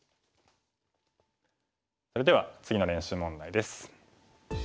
それでは次の練習問題です。